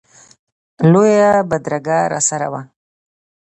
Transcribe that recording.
لویه بدرګه راسره وه.